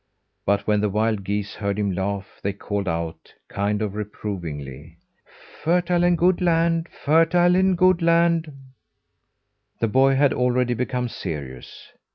But when the wild geese heard him laugh, they called out kind o' reprovingly: "Fertile and good land. Fertile and good land." The boy had already become serious.